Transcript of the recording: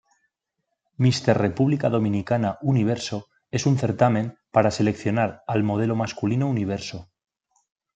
Mister República Dominicana Universo es un certamen para seleccionar al Modelo Masculino Universo.